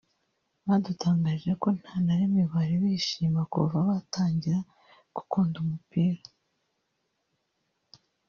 badutangarije ko nta na rimwe bari bishima kuva batangira gukunda umupira